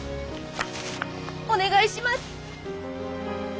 お願いします！